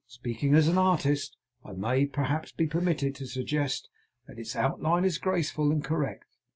Speaking as an artist, I may perhaps be permitted to suggest that its outline is graceful and correct.